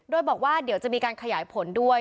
โดยบอกว่าเดี๋ยวจะมีการขยายผลด้วย